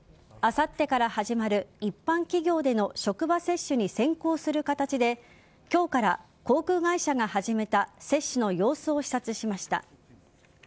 あさってから始まる一般企業での職場接種に先行する形で今日から航空会社が始めた接種の様子を視察しました。